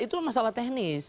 itu masalah teknis